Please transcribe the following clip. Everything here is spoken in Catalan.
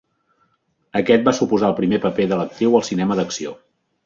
Aquest va suposar el primer paper de l'actriu al cinema d'acció.